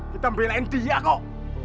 kita membelain dia kok